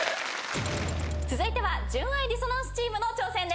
続いては純愛ディソナンスチームの挑戦です。